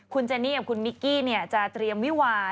คุณเจนี่กับคุณมิกกี้จะเตรียมวิวา